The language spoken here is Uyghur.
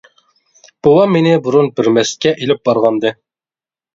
بوۋام مېنى بۇرۇن بىر مەسچىتكە ئېلىپ بارغانىدى.